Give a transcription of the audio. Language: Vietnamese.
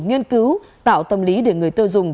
nhiên cứu tạo tâm lý để người tiêu dùng